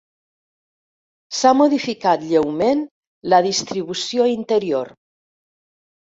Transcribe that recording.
S'ha modificat lleument la distribució interior.